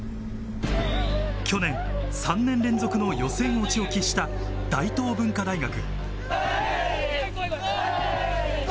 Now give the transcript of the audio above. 去年、３年連続の予選落ちを喫した大東文化大学。